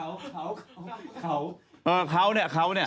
เขาเขาเออเขาเนี่ยเขาเนี่ย